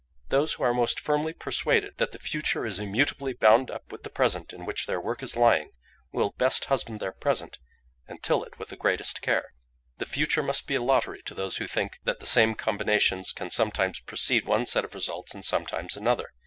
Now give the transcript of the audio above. Those who are most firmly persuaded that the future is immutably bound up with the present in which their work is lying, will best husband their present, and till it with the greatest care. The future must be a lottery to those who think that the same combinations can sometimes precede one set of results, and sometimes another.